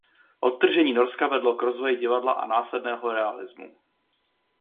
Odtržení Norska vedlo k rozvoji divadla a následného realismu.